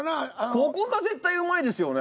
ここが絶対うまいですよね。